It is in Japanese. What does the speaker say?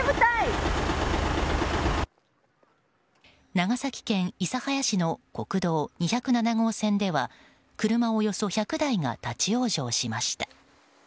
長崎県諫早市の国道２０７号線では車およそ１００台が立ち往生しました。